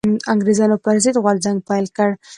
انګرېزانو پر ضد غورځنګ پيل کړ